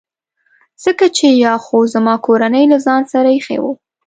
ځکه چي یا خو زما کورنۍ له ځان سره ایښي وو.